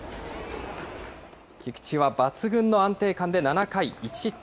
菊池は抜群の安定感で７回１失点。